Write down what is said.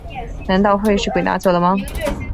难道会是鬼拿走了吗